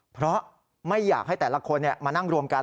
เพราะไม่อยากให้แต่ละคนมานั่งรวมกัน